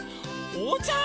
おうちゃん